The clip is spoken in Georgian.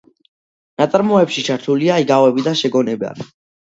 ნაწარმოებში ჩართულია იგავები და შეგონებანი.